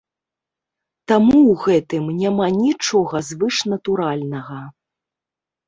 Таму ў гэтым няма нічога звышнатуральнага.